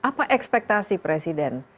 apa ekspektasi presiden